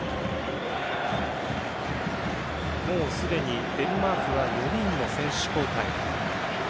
もうすでにデンマークが４人の選手交代。